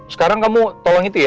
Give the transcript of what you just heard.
sekarang kamu tolong itu ya